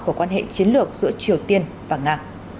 của quan hệ chiến lược giữa triều tiên và nga